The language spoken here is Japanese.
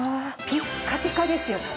ピッカピカですよ。